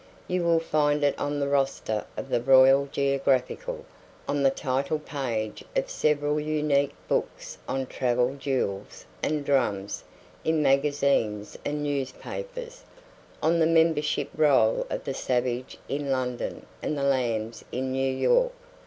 You will find it on the roster of the Royal Geographical; on the title page of several unique books on travel, jewels, and drums; in magazines and newspapers; on the membership roll of the Savage in London and the Lambs in New York.